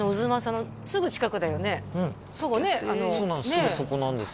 すぐそこなんですよ